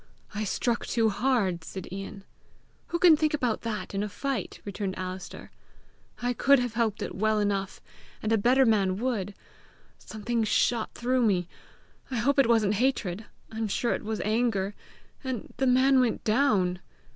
"I struck too hard!" said Ian. "Who can think about that in a fight!" returned Alister. "I could have helped it well enough, and a better man would. Something shot through me I hope it wasn't hatred; I am sure it was anger and the man went down!